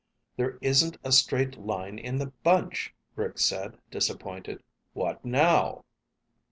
"There isn't a straight line in the bunch," Rick said, disappointed. "What now?"